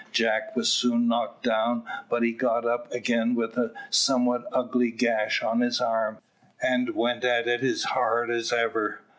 Jack was soon knocked down, but he got up again with a somewhat ugly gash on his arm, and went at it as hard as ever.